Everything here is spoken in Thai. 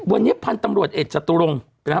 วันนี้พันธุ์ตำรวจเอกจตุรงค์